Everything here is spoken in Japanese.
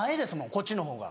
こっちのほうが。